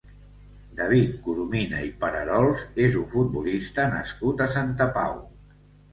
David Coromina i Pararols és un futbolista nascut a Santa Pau.